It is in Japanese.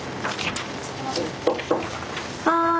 はい。